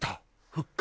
復活。